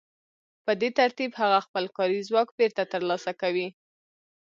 په دې ترتیب هغه خپل کاري ځواک بېرته ترلاسه کوي